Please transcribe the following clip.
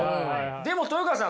でも豊川さん